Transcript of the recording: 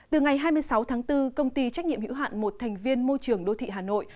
từ ngày hai mươi sáu tháng bốn công ty trách nhiệm hữu hạn một thành viên môi trường đô thị hà nội